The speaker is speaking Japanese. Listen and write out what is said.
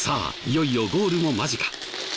いよいよゴールも間近。